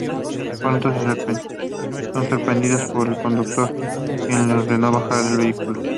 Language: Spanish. Pronto son sorprendidas por el conductor, quien les ordena bajar del vehículo.